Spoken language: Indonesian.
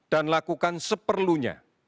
dan lakukan seperlunya